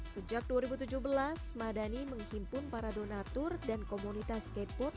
sejak dua ribu tujuh belas madani menghimpun para donatur dan komunitas skateboard